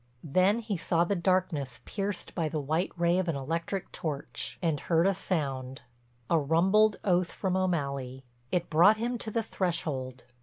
Then he saw the darkness pierced by the white ray of an electric torch and heard a sound—a rumbled oath from O'Malley. It brought him to the threshold.